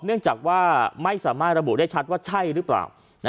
เนื่องจากว่าไม่สามารถระบุได้ชัดว่าใช่หรือเปล่า